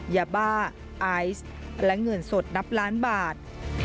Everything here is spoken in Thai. ยาบ้าไอซ์และเงินสดนับล้านบาท